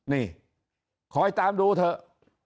นี่คอยตามดูเถอะ